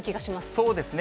そうですね。